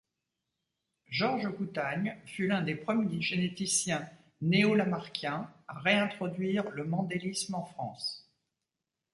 Georges Coutagne fut l'un des premiers généticiens néolamarckiens à réintroduire le mendélisme en France.